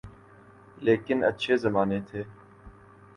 لیکن اچھے زمانے تھے۔